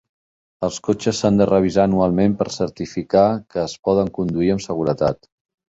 Els cotxes s'han de revisar anualment per certificar que es poden conduir amb seguretat.